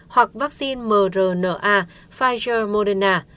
hoặc vaccine mrna pfizer moderna